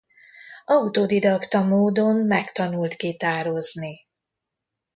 Autodidakta módon megtanult gitározni.